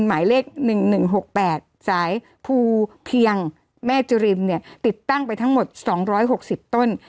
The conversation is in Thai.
หมายเลข๑๑๖๘สายภูเพียงแม่จุริมเนี่ยติดตั้งไปทั้งหมด๒๖๐ต้น